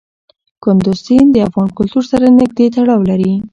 کندز سیند د افغان کلتور سره نږدې تړاو لري.